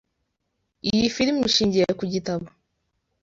Iyi film ishingiye ku gitabo.